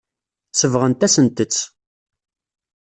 Sebɣent-asent-tt.